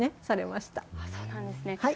そうなんですね。